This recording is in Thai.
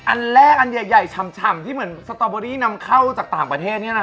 อันแรกอันใหญ่ฉ่ำที่เหมือนสตอเบอรี่นำเข้าจากต่างประเทศเนี่ยนะ